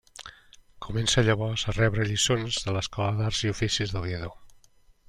Comença llavors a rebre lliçons a l'Escola d'Arts i Oficis d'Oviedo.